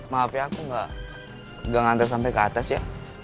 ma hp aku gak ngantre sampe ke atas ya